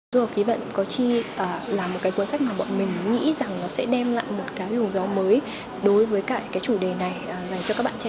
du học ký vận có chi là một cuốn sách mà bọn mình nghĩ rằng nó sẽ đem lại một cái lùng gió mới đối với cái chủ đề này dành cho các bạn trẻ